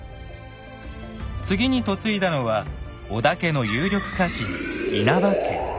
次に嫁いだのは織田家の有力家臣稲葉家。